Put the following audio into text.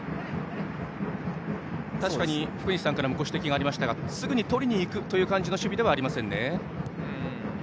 確かに福西さんからもご指摘がありましたがすぐに取りにいくという感じの守備ではありませんね。